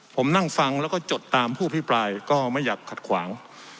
ผมนั่งฟังแล้วก็จดตามผู้อภิปรายก็ไม่อยากขัดขวาง